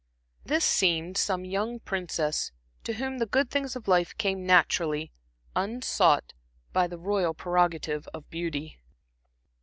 This seemed some young princess, to whom the good things of life came naturally, unsought, by the royal prerogative of beauty.